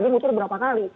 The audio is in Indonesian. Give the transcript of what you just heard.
dia muter berapa kali